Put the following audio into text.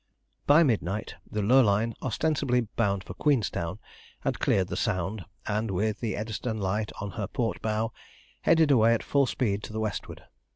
By midnight the Lurline, ostensibly bound for Queenstown, had cleared the Sound, and, with the Eddystone Light on her port bow, headed away at full speed to the westward.